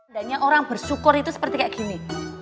dan yang orang bersyukur itu seperti kayak gini